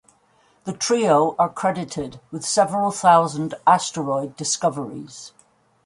The trio are credited with several thousand asteroid discoveries.